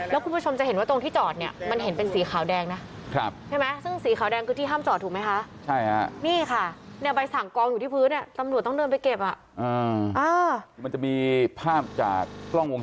แล้วคุณผู้ชมจะเห็นว่าตรงที่จอดเนี่ยมันเห็นเป็นสีขาวแดงนะใช่ไหม